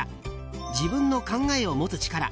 自分の考えを持つ力